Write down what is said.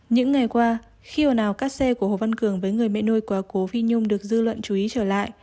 những ngày qua khi hồi nào các xe của hồ văn cường với người mẹ nôi quá cố phi nhung được dư luận chú ý trở lại